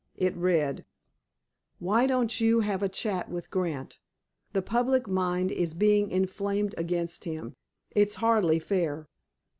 It read: "Why don't you have a chat with Grant? The public mind is being inflamed against him. It's hardly fair."